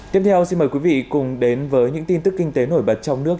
tiếp theo xin mời quý vị cùng đến với những tin tức kinh tế nổi bật trong nước